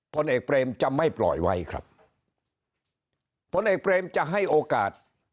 ผลเอกเปรมจะไม่ปล่อยไว้ครับผลเอกเบรมจะให้โอกาส